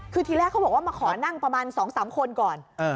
คือทีแรกเขาบอกว่ามาขอนั่งประมาณ๒๓คนก่อน